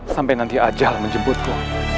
sampai nanti ajal menjemputku